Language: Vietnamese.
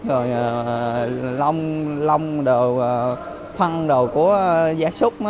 rồi lông đồ phân đồ của gia súc